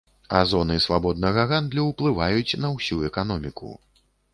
А зоны свабоднага гандлю ўплываюць на ўсю эканоміку.